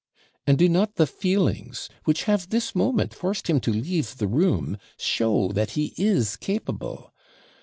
And do not the feelings, which have this moment forced him to leave the room, show that he is capable?